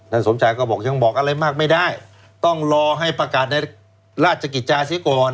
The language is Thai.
สมชายก็บอกยังบอกอะไรมากไม่ได้ต้องรอให้ประกาศในราชกิจจาเสียก่อน